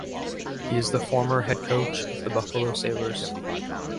He is the former head coach of the Buffalo Sabres.